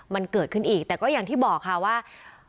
มันเกิดขึ้นอีกแต่ก็อย่างที่บอกค่ะว่า